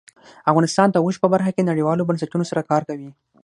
افغانستان د اوښ په برخه کې نړیوالو بنسټونو سره کار کوي.